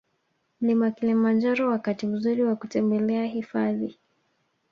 Mlima Kilimanjaro Wakati mzuri wa kutembelea hifadhi